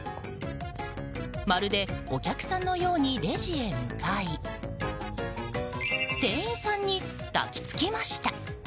まるでお客さんのようにレジへ向かい店員さんに抱きつきました。